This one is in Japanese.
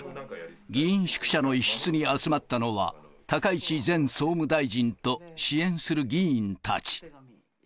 議員宿舎の一室に集まったのは、高市前総務大臣と支援する議員たち。